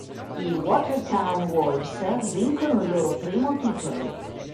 I Watertown Wolves vincono il loro primo titolo.